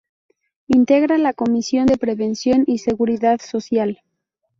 Integra la Comisión de Previsión y Seguridad Social.